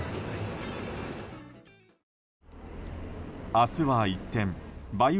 明日は一転梅雨